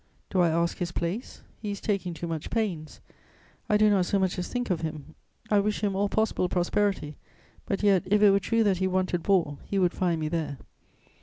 Do I ask his place? He is taking too much pains; I do not so much as think of him. I wish him all possible prosperity; but yet, if it were true that he wanted war, he would find me there.